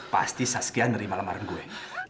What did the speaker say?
pasti saskian nerima lamaran gue